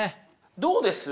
どうです？